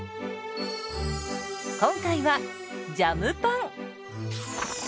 今回はジャムパン。